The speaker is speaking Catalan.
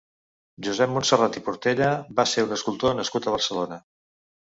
Josep Monserrat i Portella va ser un escultor nascut a Barcelona.